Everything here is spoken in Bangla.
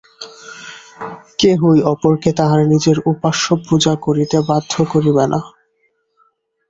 কেহই অপরকে তাহার নিজের উপাস্য পূজা করিতে বাধ্য করিবে না।